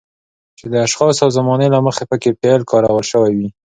چې د اشخاصو او زمانې له مخې پکې فعل کارول شوی وي.